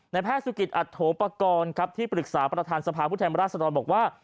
แพทย์สุกิตอัตโถปกรณ์ครับที่ปรึกษาประธานสภาพุทธแทนราชดรบอกว่า